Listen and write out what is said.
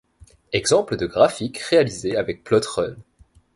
Exemple de graphique réalisé avec Plot-Run.